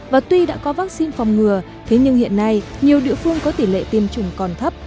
và tuy đã có vaccine phòng ngừa thế nhưng hiện nay nhiều địa phương có tỷ lệ tiêm chủng còn thấp